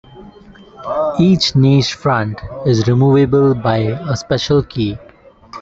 Each niche front is removable by a special key.